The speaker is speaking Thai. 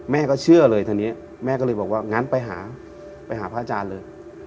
แม่ก็เชื่อเลยทีนี้แม่ก็เลยบอกว่างั้นไปหาไปหาพระอาจารย์เลย